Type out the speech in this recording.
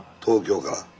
東京から。